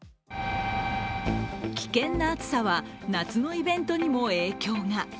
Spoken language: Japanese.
危険な暑さは夏のイベントにも影響が。